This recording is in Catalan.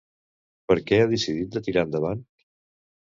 Per què ha decidit de tirar endavant?